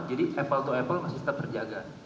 jadi apple to apple masih tetap terjaga